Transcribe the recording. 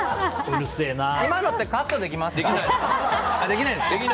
今のってカットできますか？